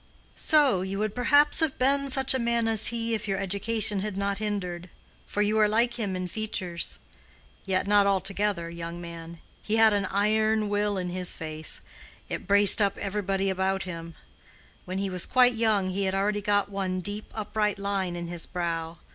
"So—you would perhaps have been such a man as he if your education had not hindered; for you are like him in features:—yet not altogether, young man. He had an iron will in his face: it braced up everybody about him. When he was quite young he had already got one deep upright line in his brow.